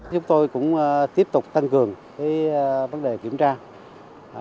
chúng tôi cũng tiếp tục tăng cường vấn đề kiểm tra